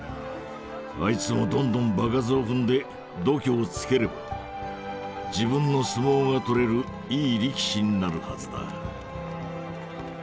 あいつもどんどん場数を踏んで度胸をつければ自分の相撲がとれるいい力士になるはずだ。